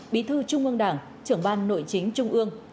bí thư trung ương đảng trưởng ban nội chính trung ương